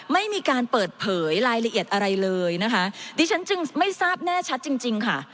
ไม่มีการเปิดเผยรายละเอียดอะไรเลยนะคะดิฉันจึงไม่ทราบแน่ชัดจริงจริงค่ะ